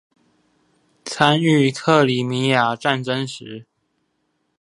參與克里米亞戰爭時